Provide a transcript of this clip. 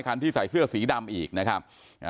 คันที่ใส่เสื้อสีส้มกับคันใส่เสื้อสีดำอีก